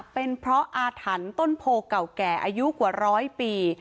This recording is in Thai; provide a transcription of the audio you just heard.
เป็นเพราะอาถรรพ์ต้นโพเก่าแก่อายุกว่าร้อยปี